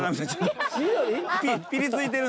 ピリついてるんで。